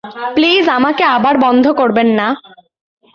Please আমাকে আবার বন্ধ করবেন না।